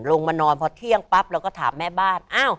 ลงมานอนพอเที่ยงปั๊บเราก็ถามแม่บ้านอ้าว